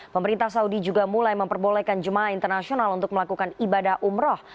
pemerintah saudi juga mulai memperbolehkan jemaah internasional untuk melakukan ibadah umroh